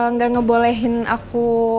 nggak ngebolehin aku